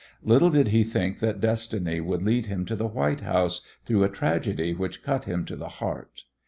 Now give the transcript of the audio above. Little did he think that destiny would lead him to the White House through a tragedy which cut him to the heart.